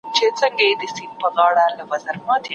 مدثر